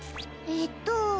えっと。